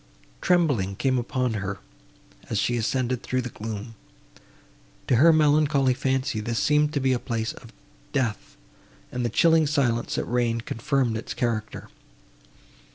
Trembling came upon her, as she ascended through the gloom. To her melancholy fancy this seemed to be a place of death, and the chilling silence, that reigned, confirmed its character.